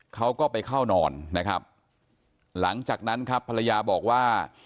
เขาก็ไปเข้านอนนะครับหลังจากนั้นครับภรรยาบอกว่า